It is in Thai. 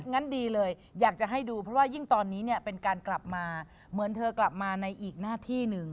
งั้นดีเลยอยากจะให้ดูเพราะว่ายิ่งตอนนี้เนี่ยเป็นการกลับมาเหมือนเธอกลับมาในอีกหน้าที่หนึ่ง